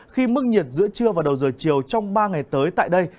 khi mức nhiệt giữa trưa và đầu giờ chiều trong ba ngày tới tại đây